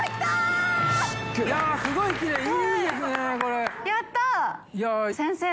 いやぁすごいきれい。